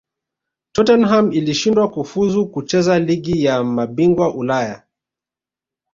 tottenham ilishindwa kufuzu kucheza ligi ya mabingwa ulaya